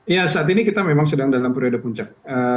ya saat ini kita memang sedang dalam periode puncak